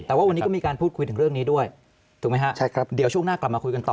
แต่ว่าอันนี้ก็มีการพูดด้วยถึงเรื่องนี้ด้วยเดี๋ยวช่วงหน้ากลับมาคุยกันต่อ